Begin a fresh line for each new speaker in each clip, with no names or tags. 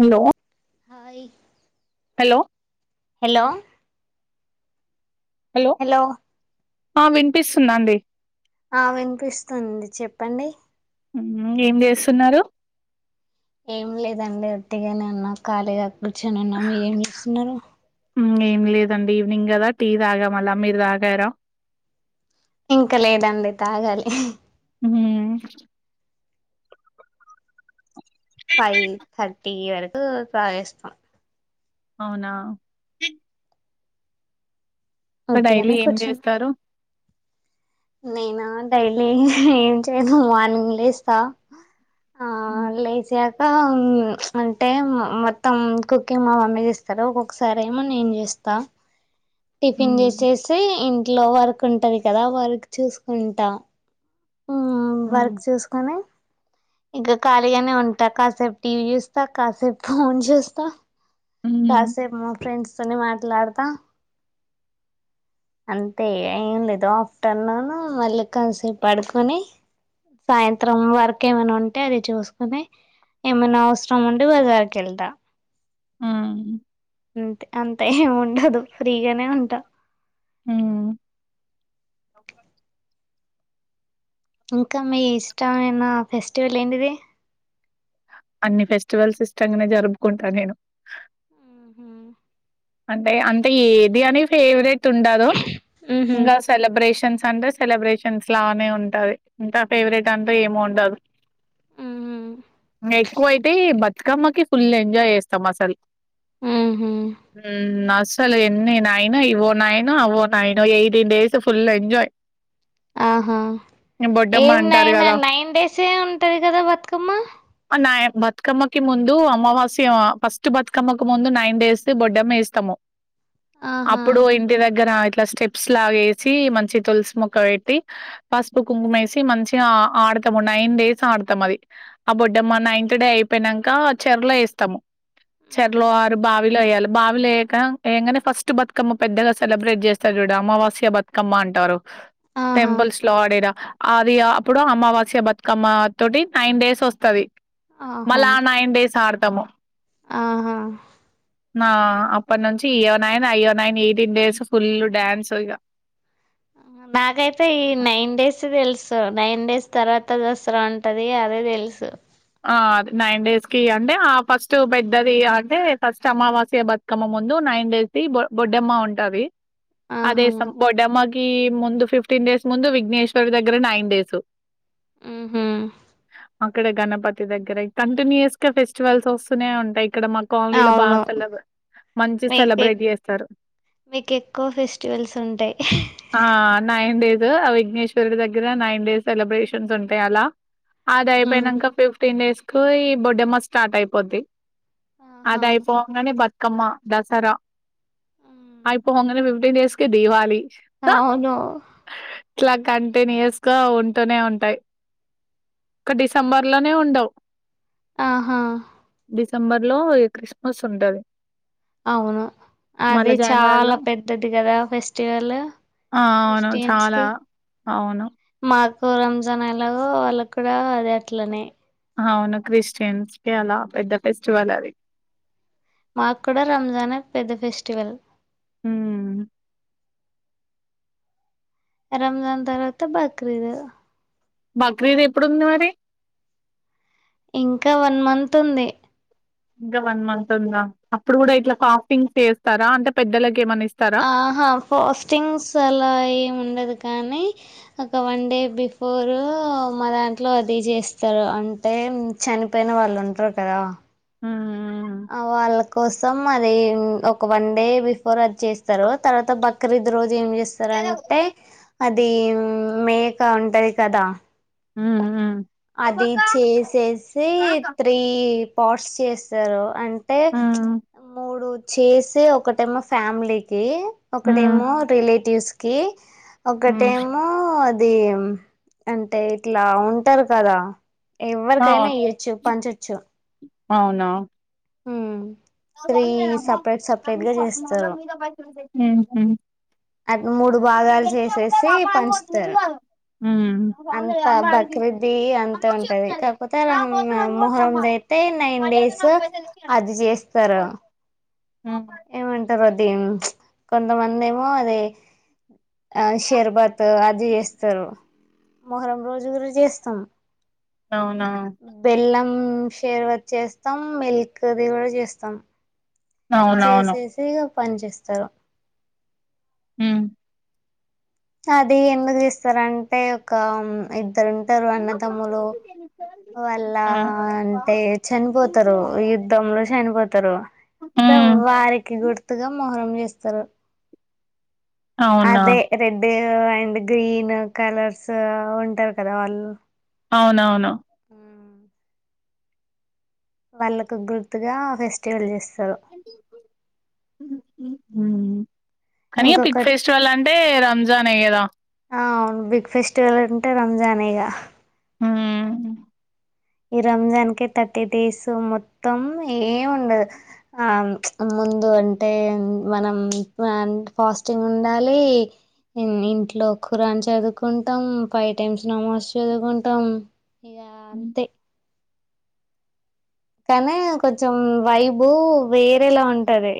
Hello
hi
hello
hello hello
ఆ వినిపిస్తుందండి
ఆ వినిపిస్తుంది చెప్పండి
మ్మ్ ఏం చేస్తున్నారు
ఏం లేదండి ఒట్టిగానేన్నా ఖాళీగా వచ్చానన్నా మీరు ఏం చేస్తున్నారు
ఏం లేదండి ఈవెనింగ్ కదా టీ తాగా మల్లా మీరు తాగరా
ఇంకా లేదండి తాగాలి
మ్మ్
ఫైవ్ థర్టీ వరకు అ ప్రావస్తాం
అవునా ఇ డైలీ
ఒట్టిగానే
ఏం
కూర్చున్న
చేస్తారు
నేనా డైలీ ఏం చేయను మార్నింగ్ లేస్తా ఆ
మ్మ్
లేచ ట మ్మ్ అంటే మొత్తం కుకింగ్ మా మమ్మీ చేస్తారు ఒక్కొక్కసారి ఏమో నేను చేస్తా టిఫిన్
మ్మ్
చేసేస్తే ఇన్ ఇట్లో వరకు ఉంటది కదా వర్క్ చూసుకుంటా
మ్మ్
వర్క్ చూసుకొని ఇంక ఖాళీగానే ఉంటా కాసేపు టీవీ చూస్తా కాసేపు ఫోన్ చూస్తా
మ్మ్
కాసే మ ఫ్రెండ్స్ తోని మాట్లాడతా అంతే ఏం లేదు ఆఫ్టర్నూన్ మళ్ళీ కాసేపు పడుకొని సాయంత్రం వరకు ఏమైనా ఉంటే అది చూసుకుొని ఏమైనా అవసరం ఉంటే బజారికి వెళ్దా
మ్మ్
అంతే అంతా ఏం ఉండదు ఫ్రీగానే ఉంటా
మ్మ్
మ్మ్ ఇంకా మీ ఇష్టమైన ఫెస్టివల్ ఏంటిది
అన్ని ఫెస్టివల్స్ ఇష్టంగానే జరుపుకుంటా నేను
ఊహు
అంటే అంటే ఏది అని ఫేవరెట్ తుండదు
ఊహు
ఇంగ సెలబ్రేషన్స్ అంటే సెలబ్రేషన్స్ లానే ఉంటది ఇంకా ఫేవరెట్ అంటే ఏమో ఉండదు ఇంగా ఎక్కువ అయితే బతుకమ్మకి ఫుల్ ఎంజాయ్ చేస్తాం అసలు
మ్మ్ హ్మ్
మ్మ్ అస్సలు ఎన్ని నయినా ఇవోనైనా అవో నాయిను ఎయిటీన్ డేస్ ఫుల్ ఎంజాయ్
ఆహా
బొడ్డమ్మ
ఏం
అంటారు
నైన్
కదా
నైన్ డేసే ఉంటది కదా బతుకమ్మ
నా బతుకమ్మకి ముందు అమావాస్య. ఫస్ట్ బతుకమ్మకి ముందు నైన్ డేస్. బొడ్డమ్మ ఏస్తాం
ఆహా
అప్పుడు ఇంటి దగ్గర అయి ఇట్లా స్టెప్స్ లాగ ఏసి మంచి తులసి మొక్క పెట్టి, పసుపు కుంకుమేసి మంచిగ ఆడతాము. నైన్ డేస్ ఆడతాము. అది ఆ బొడ్డమ్మ నైన్త్ డే అయిపోయినంక చెరలో వేస్తాము. చెర్లో
మ్మ్.
బావి ఎయాలి బావి లేక ఏంగానే, ఫస్ట్ బతుకమ్మ పెద్దగా సెలబ్రేట్ చేస్తారు. చూడు అమావాస్య బతుకమ్మ అంటారు.
ఆహా
టెంపల్స్ లో వాడిరా అది అప్పుడు అమావాస్య బతుకమ్మ తోటి నైన్ డేస్ వస్తది.
ఆహా
మళ్ళా నైన్త్ సార్ తమ
ఆహా
నా అప్పటి నుంచి ఇయో నైన్ అయ్యో nine eighteen days full dance ఇక.
బాగయితే ఈ నైన్ డేస్ తెలుసు. నైన్ డేస్ తర్వాత దసరా ఉంటది అదే తెలుసు.
ఆ అ నైన్ డేస్ కి అంటే ఆ ఫస్ట్ పెద్దది అంటే, ఫస్ట్ అమావాస్య బతుకమ్మ ముందు నైన్ డేస్ కి బొడ్డమ్మ ఉంటది. అదే
ఆహా
సమ్ బొడ్డెమ్మకి ముందు ఫిఫ్టీన్ డేస్ ముందు విఘ్నేశ్వరుడు దగ్గర నైన్ డేస్
ఉమ్ హు
గనం పతి దగ్గర కంటిన్యూస్ గా ఫెస్టివల్స్ వస్తూనే ఉంటయ్ ఇక్కడ మా కాలనీలో బాగా
అవును
సెలబ్రే మంచి
మీకు ఎ
సెలబ్రేట్ చేస్తారు.
మీకు ఎక్కువ ఫెస్టివల్స్ ఉంటాయి
ఆ నైన్ డేస్ ఆ విఘ్నేశ్వరుడు దగ్గర నైన్ డేస్ సెలబ్రేషన్స్ ఉంటాయి. ఆల్ అద
మ్మ్.
అయిపోయినంక పిప్ డేస్ కు పోయ్ బొడ్డెమ్మ స్టార్ట్ అయిపోద్ది.
ఆహా
అదై పోంగనే బతుక్ అక్కమ్మ దసరా
మ్మ్.
ఐపొంగనే ఫిఫ్టీన్ డేస్ కే దీపావలి.
అవును
ఇట్లా కంటన్యూర్స్ గా ఉంటూనే ఉంటాయి. ఒక డిసెంబర్ లో నే ఉండవు.
ఆహా
డిసెంబర్ లో క్రిస్మస్ ఉంటది.
అవును అది
మళ్ళా జాన్వరిలో
చాలా పెద్దది కదా. ఫెస్టివల్
ఆ! అవును.
క్రిస్టియన్స్
చాలా.
కి
అవును.
మాక్ రంజాన్ ఎలాగో వాళ్ళకి కూడా అది అట్లనే
అవును క్రిస్టియన్స్ కి అలా పెద్ద ఫెస్టివల్ అది
మాకూడ రంజాన్ ఏ పెద్ద ఫెస్టివల్
మ్మ్
రంజాన్ తర్వాత బక్రీదు
బక్రీద్ ఎప్పుడుంది మరి
ఇంకా వన్ మంత్ ఉంది.
ఇంకా వన్ మంత్ ఉందా అప్పుడు కూడా ఇట్లా ఫాస్టింగ్ చేస్తారా అంటే పెద్దలకి ఏమన్న ఇ
ఆహా ఫోస్టింగ్స్ అలా ఏమి ఉండదు కానీ ఒక వన్ డే బిఫోరు మా దాంట్లో అది చేస్తారు అంటే చనిపోయిన వాళ్ళు ఉంటారు కదా
ఊమ్
ఆ వాళ్ళ కోసం అది ఒక వన్ డే బిఫోర్ అది చేస్తారు, తర్వాత బక్రీద్ రో. జు ఏం చేస్తారంటే అది మేక ఉంటది కదా
మ్మ్ మ్మ్
అది చేసేసి త్రీ పాట్స్ చేస్తారు అంటే
హ్మ్. హ్మ్.
మూడు చేసి ఒకటెమో ఫ్యామిలీకి
హ్మ్.
ఒకటేమో రిలేటివ్స్ కీ
హ్మ్.
ఒకటేమో ది అంటే ఇట్లా ఉం టరు కదా
అవు
ఎవ్వరికైనా ఇయ్యొచ్చు పంచొచ్చు
అవునా
ఉమ్ త్రీ సపరేట్ సపరేట్ గా చేస్తారు
ఉహు
అ మూడు భాగాలు చేసేసి పంచుతరు
హ్మ్. హ్మ్.
అంత బక్రీది అంతే ఉంటది కాకపోతే అలా అహ్ ఆ మొహరం అయితే నైన్ డేస్ అది చేస్త త్ర
హ్మ్.
ఏమంటర్ అద్ దిన్ ప్చ్ కొంతమందెమో అదే ఆ షర్బత్ అది చేస్తారు మొహరం రోజు కూడా చేస్ అ
అవునా
ఉ షేర్వత్ చేస్తాం మిల్క్ అది కూడా చేస్తాం
అవునవును.
చేసేసి ఇగ పని చేేస్తారు
ఉ
అది ఎందుకు ఇస్తారు అంటే ఒక ఇ ఇద్దరూ ఉంటారు అన్నతమ్ములు వల్ల
హ్మ్.
అంటే చనిపోతారు యుద్ధంలో చనిపోతారు
హ్మ్.
వారికి గుర్తుగా మోహరం చేస్ సరే
అవునా?
అదే రెడ్డు అండ్ గ్రీన్ కలర్స్ ఉంటారు కదా వాళ్ళు
అవునవును
వాళ్ళకు గుర్తుగా ఫెస్టివల్ చేస్తా రు
మ్మ్ కానీ బిగ్ ఫెస్టివల్ అంటే రంజానే కదా
ఆ బిగ్ ఫెస్టివల్ అంటే రంజానే ఇగ
మ్మ్
ఈ రంజాన్ కి థర్టీ డేస్ మొత్తం ఏం ఉండదు. అవును ప్చ్ ముందు అంటే మనం ఫాస్టింగ్ ఉండాలి. ఇంట్లో ఖురాన్ చదువుకుంటాం, ఫైవ్ టైమ్స్ నమాజ్ చదువుకుంటాం. ఇగా థె కానీ కొంచెం వైబ్ వేరేలా ఉంటది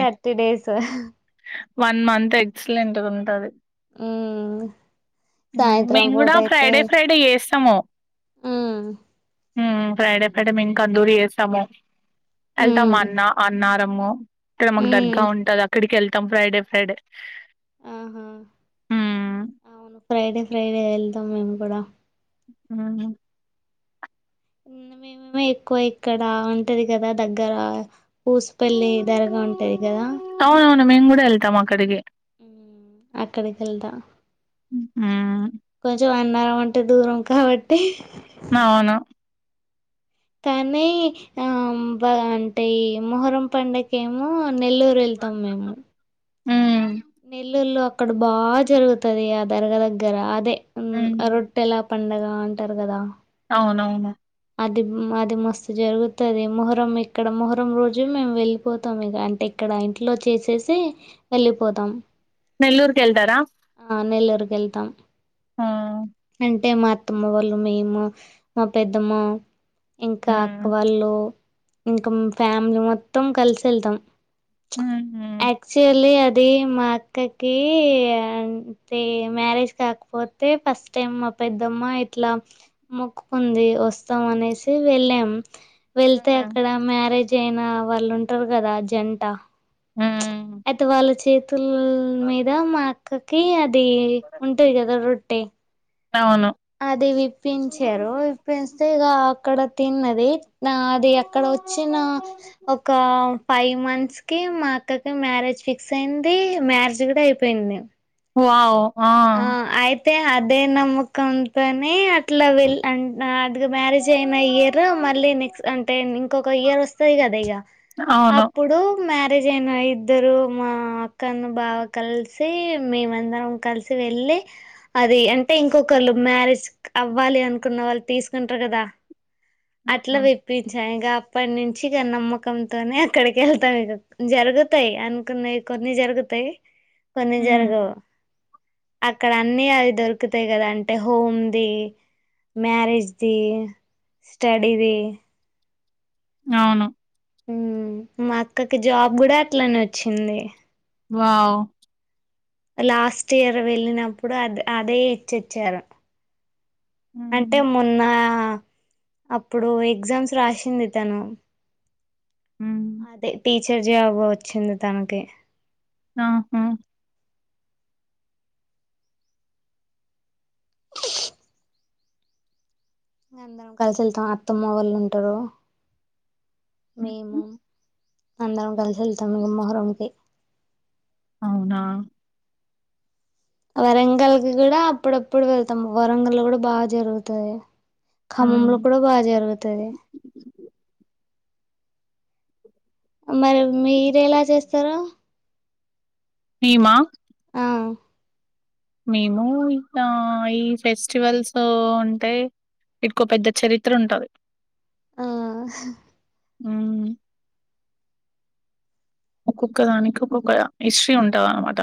thirty days
one month excellent గా ఉంటది
మ్మ్
హ్మ్.
సాయంత్రం
మేము గూడా
పూటైతే
ఫ్రైడే, ఫ్రైడే జేస్తాము.
మ్మ్
ఫ్రైడే ఒక్కటే మేం కందూరి చేస్తాము
ఉమ్
ఎల్టామా అన్నా అన్నారు మ ఇక్కడ మాకు దర్గా
ఉమ్
ఉంటది అక్కడి కెళ్ ఫ్రైడే ఫ్రైడే
ఆహా
హ్మ్.
అవును ఫ్రైడే ఫ్రైడే వెళ్తాం. మేము కూడా
మ్మ్
మేమేమో ఎక్కువ ఇక్కడ ఉంటది కదా దగ్గర పూసుపల్లి దర్గా ఉంటది కదా
మేం కూడా వెళ్తాం అక్కడికే
అక్కడికెళ్తా
హ్మ్.
కొంచం అ మనమంటే దూరం కాబట్టి
అవును.
కానీ ఆ బ అంటే ఈ మొహరం పండగేమో నెల్లూరు వెళ్తాం మేము
మ్మ్
నెల్లూరులో అక్కడ బా జరుగుతది. ఆ దర్గా దగ్గర అదే
హ్మ్.
అ రొట్టెలా పండగ అంటారు కదా
అవునవును
అది అది మస్తు జరుగుతది. మొహరం ఇక్కడ మొహరం రోజు మేము వెళ్ళిపోతాం ఇక అంటే ఇక్కడ ఇంట్లో చేసేసి వెళ్ళిపోతాం.
నెల్లూరుకెళ్తరా
అక్కడికి వెళ్తాం
ఆ
అంటే మా అత్తమ్మ వాళ్ళు మేము మా పెద్దమ్మ ఇంకా అక్క
హ్మ్.
వాళ్ళు ఇంకామ్ ఫ్యామిలీ మొత్తం కలిసి వెళ్తాం
హుహు.
ఆక్చులీ అద్ అది మా అక్కకి అంటే మ్యారేజ్ కాకపోతే ఫస్ టమ్ మా పెద్దమ్మ ఇట్లా మొక్కుకుంది వస్ తం అనేసి వెళ్ళాం వెళ్తే
హ్మ్.
అక్కడ మ్యారేజ్ చైనా వాళ్ళు ఉంటారు గదా జంట
హ్మ్.
అయితే వాళ్ళ చేతుల మీద మాఅక్క కు తి అద్ అది ఉంటుది కదా రొట్టి టే
అవును.
అది విప్పించారు విప్పిన్ ఇస్తే గా అక్కడ తిన్నది నా అది ఎక్కడ వచ్చిన ఒక ఫైవ్ మంత్స్ కి మా అక్కకి మ్యారేజ్ ఫిక్స్ అయింది మ్యారేజ్ గుడా అయిపోయింది
వావ్
ఆ ఆయ్ ప్ అయితే అదే నమ్మకంతోనే అట్ల వెల్ అన్ నాత్ దుగు మ్యారేజ్ అయిన ఇయర్ మళ్ళీ నెక్స్ట్ అంటే ఇంకొక ఇయర్ వస్తది గదా ఇగ
అవును.
అప్పుడు మ్యార్ అంతజెన ఇద్దరు మా అక్కను బావ కలిసి మేమందరం కలిసి వెళ్ళి అది అంటే ఇంకొకళ్ళు మ్యారేజ్ అవ్వాలి అనుకున్న వాళ్ళు తీసుకుంటరు గదా అట్లా
హ్మ్.
విప్పించా ఇగ అప్పటి నుంచి ఇగ నమ్మకంతోనే అక్కడికి వెళ్తాం ఇగ జరుగుతాయి అనుకున్నయి కొన్ని జరుగుతాయి కొన్ని
హ్మ్.
జరగవు అక్కడ అన్ని అవి దొరుకుతాయి. గదా అంటే హోమ్ ది, మ్యారేజ్ ది స్టడీది
అవును
హమ్ మా అక్కకి జాబ్ గూడా అట్లనే వచ్చింది
వావ్
లాస్ట్ ఇయర్ వెళ్ళినప్పుడు అద అదే ఇచ్చొచ్చారు అంటే
హ్మ్.
మొన్న అప్పుడు ఎగ్జామ్స్ రాసింది. తను
హ్మ్.
అదే టీచర్ జాబ్ వచ్చింది. తనకి
ఆహా
అందరం కలిసి వెళ్తాం. అత్తమ్మ వోళ్ళు ఉంటరు
హుహు.
మేము అందరం కలిసి వెళ్తాము మేం మొహరం కి
అవునా
వరంగల్కి గూడా అప్పుడప్పుడు వెళ్తాం వరంగల్ గుడా బా జరుగుతది
ఆ!
ఖమ్మంలో కూడా బా జరుగుతది మరి మీరు ఎలా చేస్తరు
మేమ
ఆ
మేము ఇంక ఈ ఫెస్టివల్స్ ఉంటే ఇక్కువ పెద్ద చరిత్ర ఉంటది
ఆ
మ్మ్ ఒక్కొక్క దానికి ఒక్కొక్క హిస్ట్రీ ఉంటాది అన్నమాట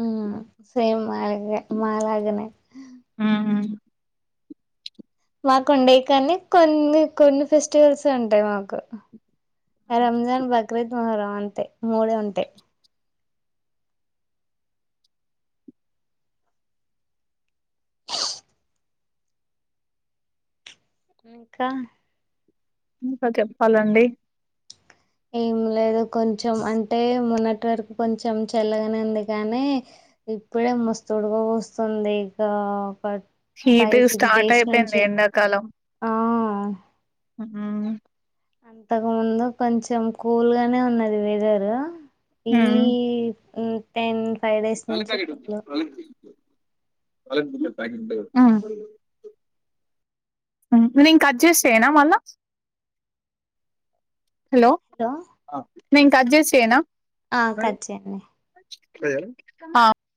మ్మ్ సేమ్ మాగే మాలగనే
హ్మ్.
మాకు ఉండేవి కానీ కొన్ని కొన్ని ఫెస్టివల్స్ ఉంటాయి మాకు రంజాన్ బక్రీద్ వర అంతే మూడే ఉంటాయి ఇంకా
ఇంకా చెప్పాలండి
ఏం లేదు కొంచెం అంటే మొన్నటి వరకు కొంచెం చెల్లగానే ఉంది కానీ ఇప్పుడే మస్తుడక పోస్తుంది ఇక
ఈది
ఫైవ్ సిక్స్
స్టార్ట్
డేస్
అయిపోయింది
నుంచి
ఎండాకాలం
ఆ
మ్మ్
అంతకు ముందు కొంచెం కూల్గానే ఉన్నది వెదరు ఈ
హ్మ్.
మ్మ్ థెన్ ఫైవ్ డేస్ నుంచి ఫుల్లు
అలహందల్ త ఇంక అడ్జెస్ట్ చేయనా మళ్ళా హలో నేను కడ్జెట్ చేయనా
ఆ కచ్చన్నే
[inaudible]